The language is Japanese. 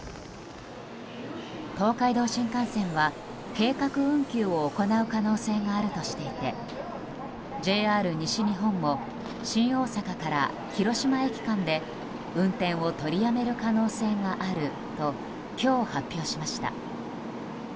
東海道新幹線は計画運休を行う可能性があるとしていてＪＲ西日本も新大阪駅から広島駅間で運転を取りやめる可能性があると今日、発表しました。